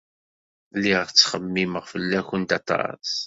Lliɣ ttxemmimeɣ fell-awent aṭas.